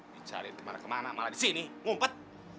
dicarin kemana kemana malah disini ngumpet